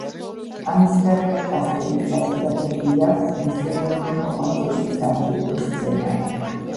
ამის გარდა კასტელის დასურათებული აქვს მისიონერული მოღვაწეობის ათიოდე სცენა.